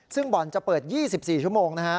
ซึ่งบ่อนจะเปิด๒๔ชั่วโมงนะฮะ